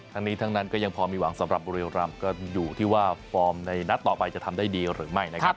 ทั้งนี้ทั้งนั้นก็ยังพอมีหวังสำหรับบุรีรำก็อยู่ที่ว่าฟอร์มในนัดต่อไปจะทำได้ดีหรือไม่นะครับ